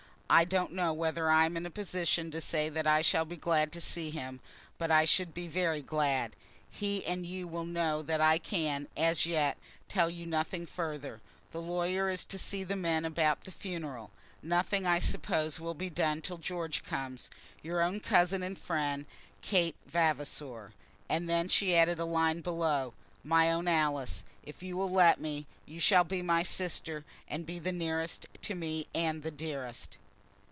I don't know whether I am in a position to say that I shall be glad to see him; but I should be very glad. He and you will know that I can, as yet, tell you nothing further. The lawyer is to see the men about the funeral. Nothing, I suppose, will be done till George comes. Your own cousin and friend, KATE VAVASOR." And then she added a line below, "My own Alice, If you will let me, you shall be my sister, and be the nearest to me and the dearest."